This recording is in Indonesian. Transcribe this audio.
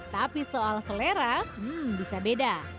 tapi soal selera hmm bisa beda